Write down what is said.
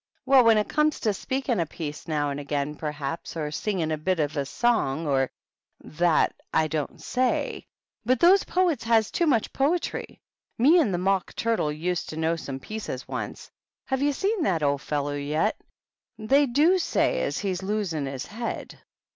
" Well, when it comes to speaking a piece now and again, perhaps, or singin' a bit of a song, or that, I don't say ; but those poets has too much poetry. Me and the Mock Turtle used to know some pieces once. Have you seen that old fellow yet? They do say as he's a losing his head."